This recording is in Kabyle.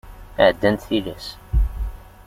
Ɛeddant tilas.